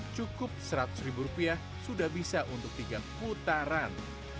cukup seratus ribu rupiah sudah bisa untuk tiga putaran